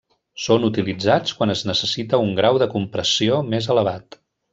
Són utilitzats quan es necessita un grau de compressió més elevat.